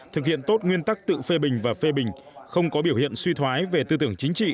thực hiện tốt nguyên tắc tự phê bình và phê bình không có biểu hiện suy thoái về tư tưởng chính trị